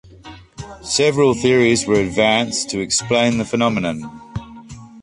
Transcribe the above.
Several theories were advanced to explain the phenomenon.